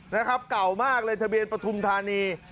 นะครับเก่ามากเลยทะเบียนปฐุมธานี